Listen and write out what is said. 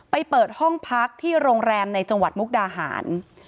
เปิดห้องพักที่โรงแรมในจังหวัดมุกดาหาร